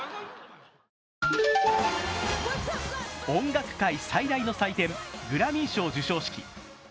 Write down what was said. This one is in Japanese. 音楽界最大の祭典グラミー賞授賞式。